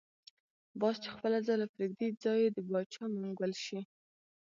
باز چی خپله ځاله پریږدی ځای یی دباچا منګول شی .